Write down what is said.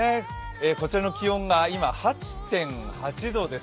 こちらの気温が今８．８度です。